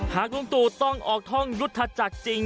หากลุงตุต้องออกท่องยุทธัศจักรจริง